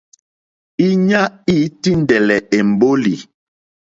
Íɲá î tíndɛ́lɛ́ èmbólì.